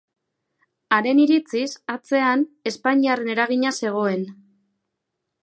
Haren iritziz atzean espainiarren eragina zegoen.